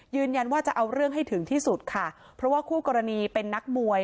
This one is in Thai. ยืนยันว่าจะเอาเรื่องให้ถึงที่สุดค่ะเพราะว่าคู่กรณีเป็นนักมวย